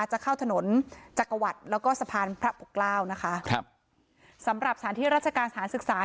จะเข้าถนนจักรวรรดิแล้วก็สะพานพระปกเกล้านะคะครับสำหรับสถานที่ราชการสถานศึกษา